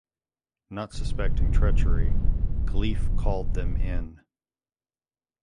Not suspecting treachery, Caliph called them in.